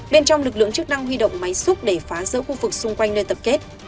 bên trong lực lượng chức năng huy động máy xúc để phá rỡ khu vực xung quanh nơi tập kết